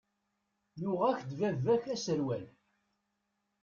Yuɣ-ak-d baba-k aserwal.